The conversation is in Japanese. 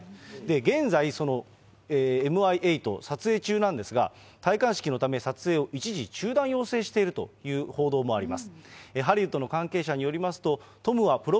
現在、Ｍｉ８撮影中なんですが、戴冠式のため、撮影を一時中断を要請をしているという報道もあります。